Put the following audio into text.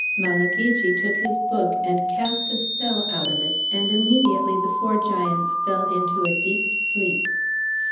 Malagigi took his book and cast a spell out of it, and immediately the four giants fell into a deep sleep.